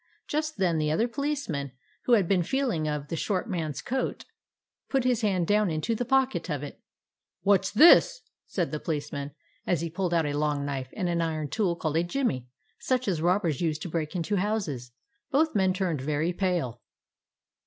Just then the other policeman, who had been feeling of the short man's coat, put his hand down into the pocket of it. " What 's this ?" said the policeman, as he pulled out a long knife and an iron tool called a "jimmy," such as robbers use to break into houses. Both the men turned very pale.